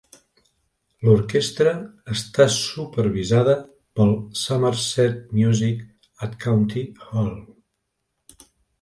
L'orquestra està supervisada pel Somerset Music at County Hall.